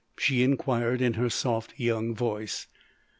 she inquired in her soft young voice.